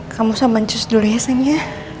kamu sobat jus dulu ya seng ya